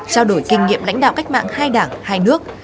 trao đổi kinh nghiệm lãnh đạo cách mạng hai đảng hai nước